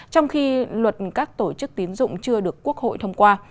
trong khi luật các tổ chức tín dụng chưa được quốc hội thông qua